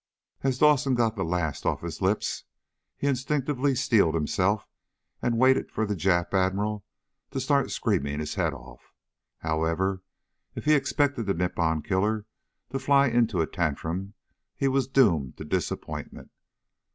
As Dawson got the last off his lips he instinctively steeled himself and waited for the Jap Admiral to start screaming his head off. However, if he expected the Nippon killer to fly into a tantrum he was doomed to disappointment.